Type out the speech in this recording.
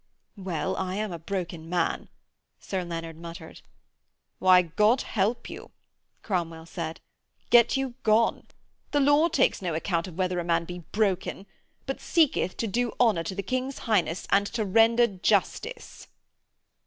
'Well, I am a broken man,' Sir Leonard muttered. 'Why, God help you,' Cromwell said. 'Get you gone. The law takes no account of whether a man be broken, but seeketh to do honour to the King's Highness and to render justice.'